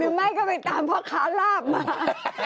ไม่ก็ไปตามพ่อค้าลาบมา